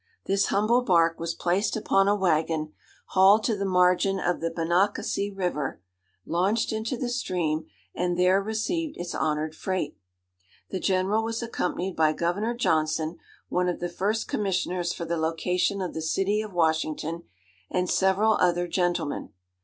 This humble bark was placed upon a waggon, hauled to the margin of the Monocacy river, launched into the stream, and there received its honoured freight. The General was accompanied by Governor Johnson, one of the first commissioners for the location of the city of Washington, and several other gentlemen.